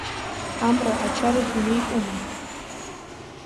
Амра ачарахь инеитәума?